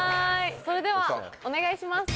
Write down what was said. それではお願いします。